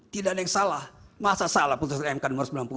tidak ada yang salah masa salah putusan mk nomor sembilan puluh